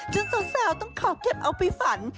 สาวต้องขอเก็บเอาไปฝัน